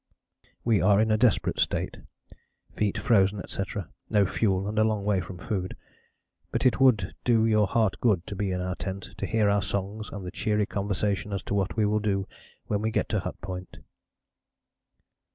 We are in a desperate state, feet frozen, etc. No fuel and a long way from food, but it would do your heart good to be in our tent, to hear our songs and the cheery conversation as to what we will do when we get to Hut Point.